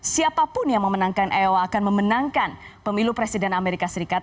siapapun yang memenangkan io akan memenangkan pemilu presiden amerika serikat